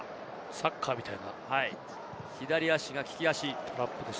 サッカーみたいな。